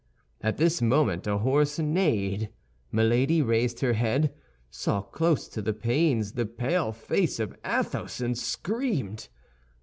At this moment a horse neighed. Milady raised her head, saw close to the panes the pale face of Athos, and screamed.